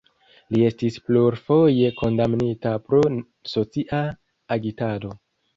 Li estis plurfoje kondamnita pro socia agitado.